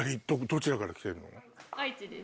どちらから来てるの？